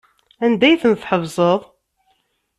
Anda ay ten-tḥebseḍ?